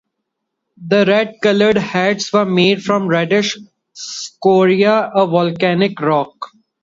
The red-colored hats were made from reddish scoria, a volcanic rock.